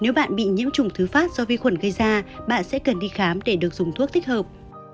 nếu bạn bị nhiễm trùng thứ phát do vi khuẩn gây ra bạn sẽ cần đi khám để được dùng thuốc tích hợp